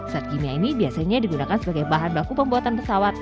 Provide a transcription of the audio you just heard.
zat kimia ini biasanya digunakan sebagai bahan baku pembuatan pesawat